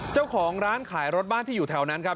เจ้าของร้านขายรถบ้านที่อยู่แถวนั้นครับ